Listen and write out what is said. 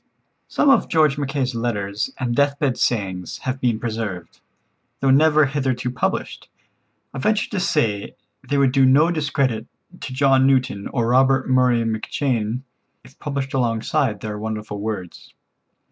Some of George Mackay's letters and deathbed sayings have been preserved. Though never hitherto published, I venture to say they would do no discredit to John Newton or Robert Murray McCheyne, if published alongside their wonderful words.